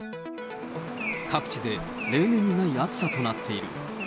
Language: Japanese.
各地で例年にない暑さとなっている。